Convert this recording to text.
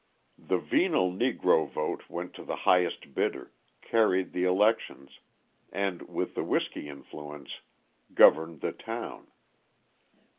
The venal Negro vote went to the highest bidder, carried the elections, and, with the whiskey influence, governed the town.